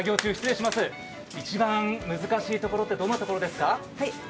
一番難しいところってどんなところですか？